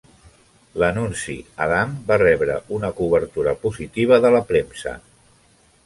L'anunci Adam va rebre una cobertura positiva de la premsa.